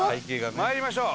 参りましょう！